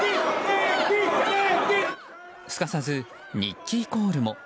すかさずニッキーコールも。